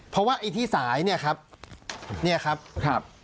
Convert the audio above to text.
เพราะว่าไอ้ที่สายเนี่ยครับ